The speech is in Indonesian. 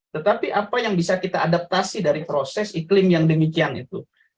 tetapi apa yang bisa kita adaptasi dari proses iklim yang demikian itu